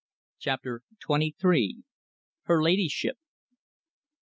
CHAPTER TWENTY THREE. HER LADYSHIP.